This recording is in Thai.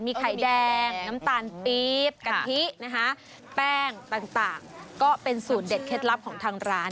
มีไข่แดงน้ำตาลปี๊บกะทินะคะแป้งต่างก็เป็นสูตรเด็ดเคล็ดลับของทางร้าน